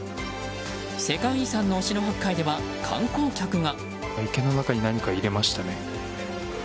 世界遺産の忍野八海では観光客が。